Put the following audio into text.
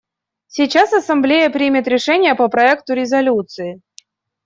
Сейчас Ассамблея примет решение по проекту резолюции.